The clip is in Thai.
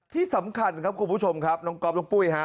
ที่สำคัญครับคุณผู้ชมครับน้องก๊อฟน้องปุ้ยฮะ